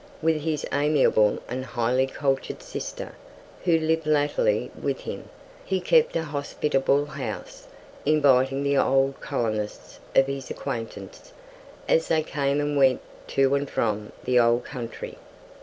With his amiable and highly cultured sister, who lived latterly with him, he kept a hospitable house, inviting the old colonists of his acquaintance, as they came and went to and from the old country.